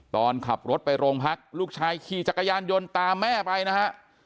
ตอนขับรถไปโรงพักลูกชายขี่จักรยานยนต์ตามแม่ไปนะฮะ